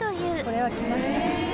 これはきましたね。